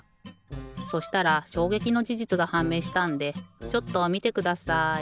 そしたらしょうげきのじじつがはんめいしたんでちょっとみてください。